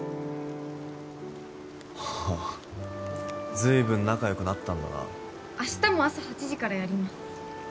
ああ随分仲よくなったんだな明日も朝８時からやります